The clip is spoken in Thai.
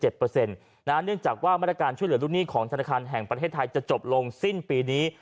เนื่องจากว่ามาตรการช่วยเหลือลูกหนี้ของธนาคารแห่งประเทศไทยจะจบลงสิ้นปีนี้